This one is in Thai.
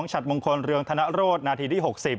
ฉัดมงคลเรืองธนโรธนาทีที่๖๐